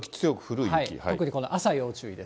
特にこの朝要注意です。